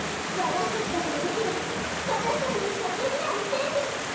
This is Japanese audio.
私たちだからできる私たちにしかできないステージ。